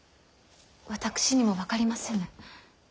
私にも分かりませぬ。